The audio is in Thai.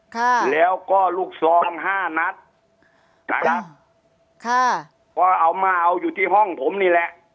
ค่ะแล้วก็ลูกซองห้านัดนะครับค่ะก็เอามาเอาอยู่ที่ห้องผมนี่แหละ